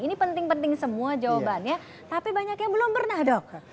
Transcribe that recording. ini penting penting semua jawabannya tapi banyak yang belum pernah dok